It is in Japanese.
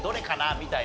みたいな。